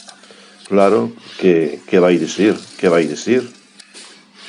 Claro, que ¿que vai dicir?, ¿que vai dicir?